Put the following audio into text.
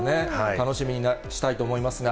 楽しみにしたいと思いますが。